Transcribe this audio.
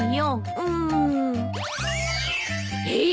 うん。えっ！？